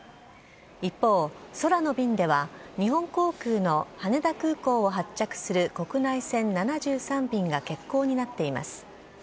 一方、空の便では日本航空の羽田空港を発着する国内線７３便が欠航になっています。